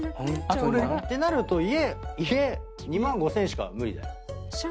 てなると家２万５，０００しか無理だよ。